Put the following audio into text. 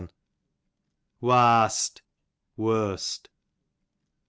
Warst, worst.